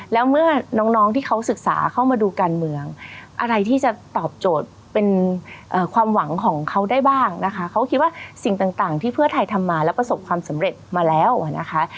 แล้วเมื่อน้องที่เขาศึกษาเข้ามาดูการเมืองอะไรที่จะตอบโจทย์เป็นความหวังของเขาได้บ้างนะคะเขาก็คิดว่าสิ่งต่างที่เพื่อไทยทำมาแล้วประสบความสำเร็จมาแล้วนะคะ